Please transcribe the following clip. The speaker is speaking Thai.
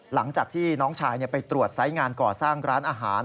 หลังจากที่น้องชายไปตรวจไซส์งานก่อสร้างร้านอาหาร